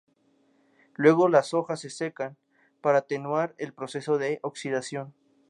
Luego las hojas se "secan" para atenuar el proceso de oxidación.